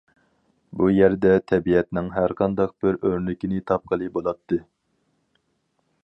بۇ يەردە تەبىئەتنىڭ ھەرقانداق بىر ئۆرنىكىنى تاپقىلى بولاتتى.